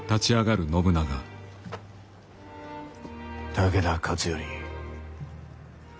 武田勝頼